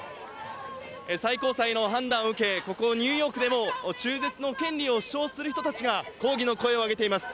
最高裁の判断を受け、ここニューヨークでも中絶の権利を主張する人たちが、抗議の声を上げています。